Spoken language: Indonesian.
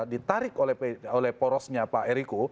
ditarik oleh porosnya pak eriko